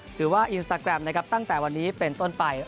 หรือว่าอินสตาแกรมนะครับตั้งแต่วันนี้เป็นต้นไป